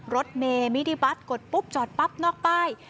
รถเมมินิบัตรกดปุ๊บจอดปั๊บนอกป้าย